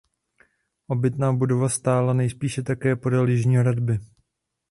Obytná budova stála nejspíše také podél jižní hradby.